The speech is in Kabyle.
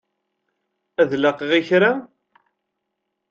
Ad laqeɣ i kra?